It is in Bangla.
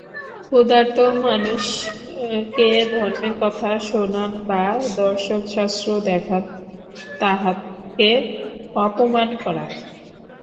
ক্ষুধার্ত মানুষকে ধর্মের কথা শোনান বা দর্শনশাস্ত্র শেখান, তাহাকে অপমান করা।